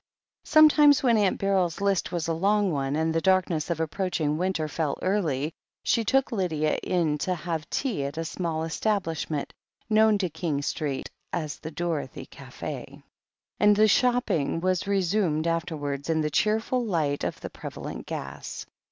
Sometimes when Amit Beryl's list was a long one, and the darkness of approaching winter fell early, she took Lydia in to have tea at a small establishment known to King Street as the "Dorothy Cayfe," and the shopping was resimied afterwards, in the cheerful light of the prevalent gas.